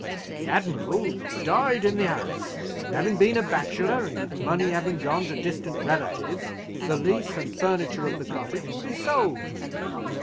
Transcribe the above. The admiral died in the house, and having been a bachelor, and his money having gone to distant relatives, the lease and furniture of the cottage will be sold.